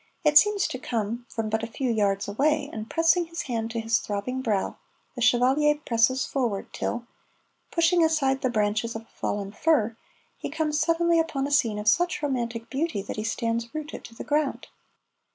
It seems to come from but a few yards away, and pressing his hand to his throbbing brow the Chevalier presses forward till, pushing aside the branches of a fallen fir, he comes suddenly upon a scene of such romantic beauty that he stands rooted to the ground.